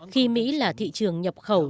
khi mỹ là thị trường nhập khẩu